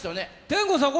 天功さん